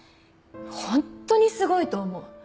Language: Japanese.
ホントにすごいと思う。